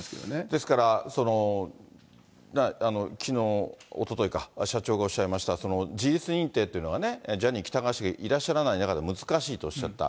ですから、きのう、おとといか、社長がおっしゃいました、その事実認定というのが、ジャニー喜多川氏がいらっしゃらない中で難しいとおっしゃった。